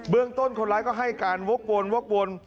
เบื้องต้นคนร้ายก็ให้การวกวน